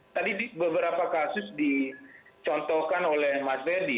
tadi beberapa kasus dicontohkan oleh mas ferdi